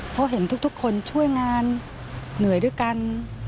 เพราะเห็นทุกคนช่วยงานเหนื่อยด้วยกัน